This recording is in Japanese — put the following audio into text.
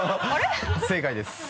正解です。